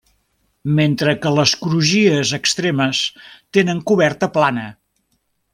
Mentre que les crugies extremes tenen coberta plana.